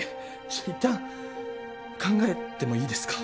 ちょっと一旦考えてもいいですか？